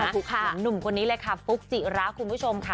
ของหนุ่มคนนี้เลยค่ะฟุ๊กจิระคุณผู้ชมค่ะ